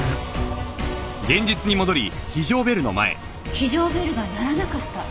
非常ベルが鳴らなかった？